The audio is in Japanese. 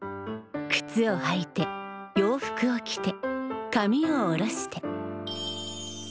くつをはいて洋服を着てかみを下ろして。